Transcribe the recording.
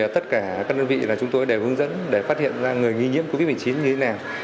tất cả các đơn vị là chúng tôi đều hướng dẫn để phát hiện ra người nghi nhiễm covid một mươi chín như thế nào